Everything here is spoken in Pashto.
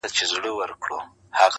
د طبیب عقل کوټه سو مسیحا څخه لار ورکه!.